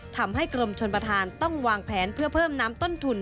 ทำให้กรมชนประธานต้องวางแผนเพื่อเพิ่มน้ำต้นทุน